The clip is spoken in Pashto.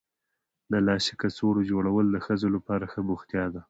د لاسي کڅوړو جوړول د ښځو لپاره ښه بوختیا ده.